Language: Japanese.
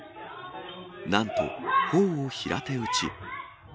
なんと、ほおを平手打ち。